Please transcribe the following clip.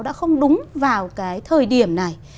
đã không đúng vào cái thời điểm này